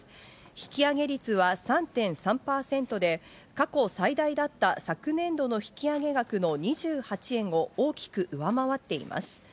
引き上げ率は３．３％で、過去最大だった昨年度の引き上げ額の２８円を大きく上回っています。